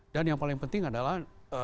dan yang paling penting adalah